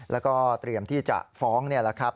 แล้วก็เตรียมที่จะฟ้องนี่แหละครับ